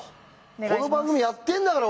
この番組やってんだから！